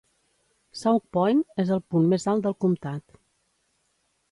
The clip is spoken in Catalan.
Sauk Point és el punt més alt del comtat.